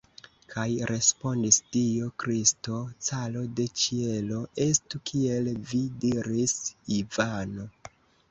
Kaj respondis Dio Kristo, caro de ĉielo: "Estu, kiel vi diris, Ivano!"